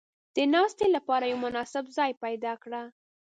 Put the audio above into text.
• د ناستې لپاره یو مناسب ځای پیدا کړه.